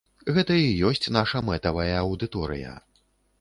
Гэта і ёсць наша мэтавая аўдыторыя.